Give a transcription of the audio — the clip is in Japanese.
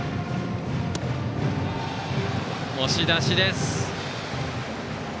押し出しです。